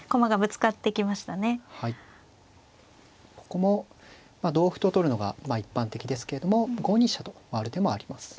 ここも同歩と取るのがまあ一般的ですけれども５二飛車と回る手もあります。